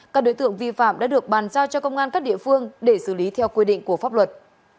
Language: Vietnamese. các đối tượng vi phạm đã được bàn giao cho công an các địa phương để xử lý theo quy định của pháp luật